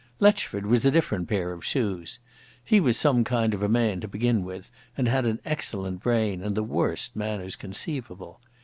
Letchford was a different pair of shoes. He was some kind of a man, to begin with, and had an excellent brain and the worst manners conceivable.